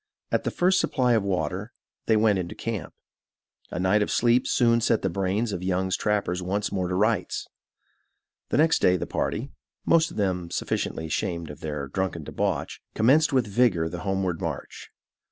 At the first supply of water, they went into camp. A night of sleep soon set the brains of Young's trappers once more to rights. The next day the party, most of them sufficiently ashamed of their drunken debauch, commenced with vigor the homeward march.